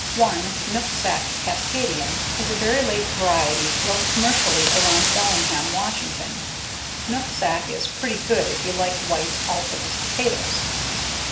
One, Nooksack Cascadian, is a very late variety grown commercially around Bellingham, Washington. Nooksack is pretty good if you like white, all purpose potatoes.